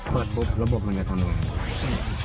เปิดปุ๊บระบบมันจะทำยังไง